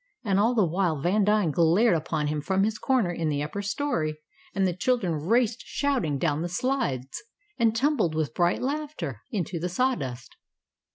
And all the while Vandine glared upon him from his corner in the upper story, and the children raced shouting down the slides, and tumbled with bright laughter into the sawdust.